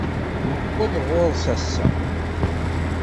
Newweḍ ɣur-s ass-a.